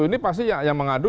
ini pasti yang mengadu